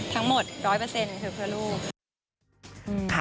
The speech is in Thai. ทั้งหมด๑๐๐คือเพื่อลูก